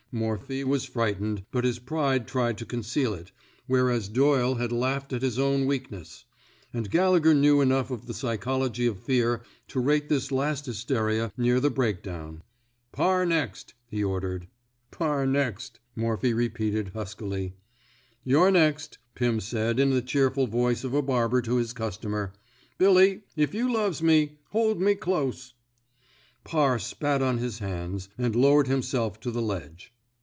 Morphy was frightened, but his pride tried to conceal it, whereas Doyle had laughed at his own weakness; and Galle gher knew enough of the psychology of fear to rate this last hysteria near the break down. Parr next," he ordered. Parr next," Morphy repeated, huskily. You're next," Pirn said, in the cheerful voice of a barber to his customer. Billy, if you loves me, hold me close." Parr spat on his hands, and lowered him self to the ledge.